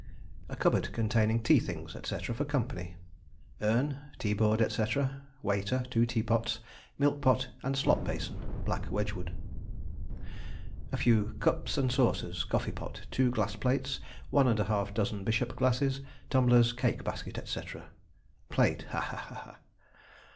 A cupboard containing tea things, &c., for company. Urn, tea board, &c., waiter, two teapots, milk pot, and slop bason (black Wedgwood). A few cups and saucers, coffee pot, two glass plates, one and half dozen bishop glasses, tumblers, cake basket, &c. Plate: Ha! ha! ha! ha!